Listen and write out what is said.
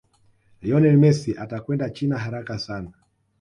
lionel Messi atakwenda china haraka sana